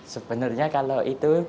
sebenernya kalau itu